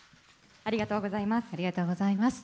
ありがとうございます。